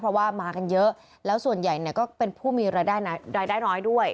เพราะว่ามากันเยอะแล้วส่วนใหญ่ก็เป็นผู้มีรายได้น้อยด้วย